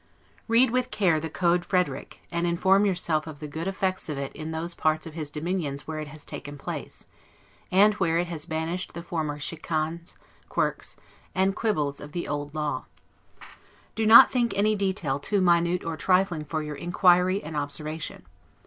Read with care the Code Frederick, and inform yourself of the good effects of it in those parts of, his dominions where it has taken place, and where it has banished the former chicanes, quirks, and quibbles of the old law. Do not think any detail too minute or trifling for your inquiry and observation.